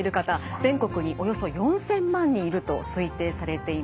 全国におよそ４，０００万人いると推定されています。